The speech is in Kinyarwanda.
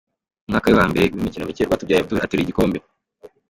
Umwaka we wa mbere n'imikino micye Rwatubyaye Abdul ateruye igikombe.